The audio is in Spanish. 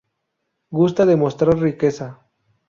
Gusta de mostrar riqueza.